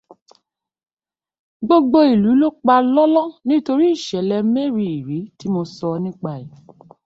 Gbogbo ìlú ló pa lọ́lọ́ nítorí ìṣẹ̀lẹ méríìírí tí mo sọ nípa ẹ̀